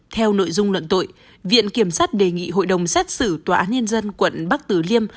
theo nội dung luận tội viện kiểm sát đề nghị hội đồng xét xử tòa án nhân dân quận bắc tử liêm